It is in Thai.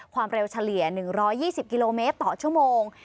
ความเร็วเฉลี่ย๑๒๐กิโลเมตรต่อชั่วโมง